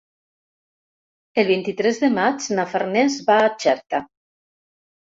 El vint-i-tres de maig na Farners va a Xerta.